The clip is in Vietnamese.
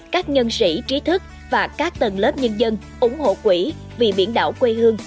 các nhân sĩ trí thức và các tầng lớp nhân dân ủng hộ quỹ vì biển đảo quê hương